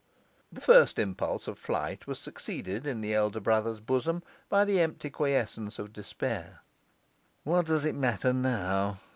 The first impulse of flight was succeeded, in the elder brother's bosom, by the empty quiescence of despair. 'What does it matter now?